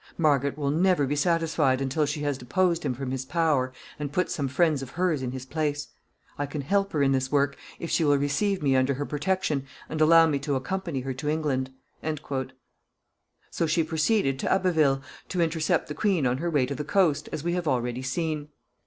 Margaret will never be satisfied until she has deposed him from his power and put some friend of hers in his place. I can help her in this work, if she will receive me under her protection and allow me to accompany her to England." [Sidenote: Lady Neville and Margaret.] So she proceeded to Abbeville to intercept the queen on her way to the coast, as we have already seen.